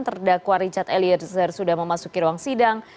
terdakwa richard eliezer sudah memasuki ruang sidang